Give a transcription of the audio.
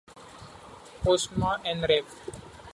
Postma and Rev.